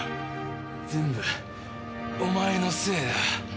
全部お前のせいだ。